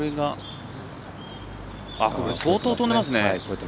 相当飛んでますね。